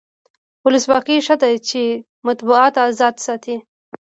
ولسواکي ځکه ښه ده چې مطبوعات ازاد ساتي.